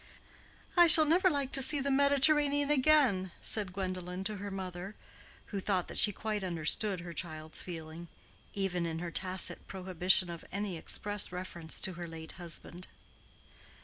"I shall never like to see the Mediterranean again," said Gwendolen, to her mother, who thought that she quite understood her child's feeling—even in her tacit prohibition of any express reference to her late husband.